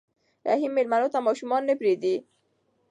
رحیم مېلمنو ته ماشومان نه پرېږدي.